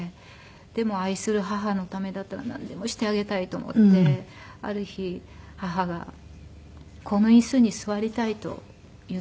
でも愛する母のためだったらなんでもしてあげたいと思ってある日母がこの椅子に座りたいと言ってくれて。